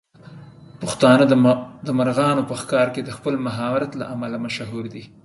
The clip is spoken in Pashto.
پښتانه د مرغانو په ښکار کې د خپل مهارت له امله مشهور دي.